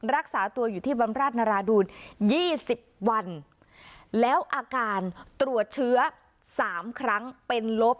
รักษาตัวอยู่ที่บำราชนราดูล๒๐วันแล้วอาการตรวจเชื้อ๓ครั้งเป็นลบ